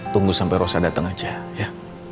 tunggu sampai rosa datang aja ya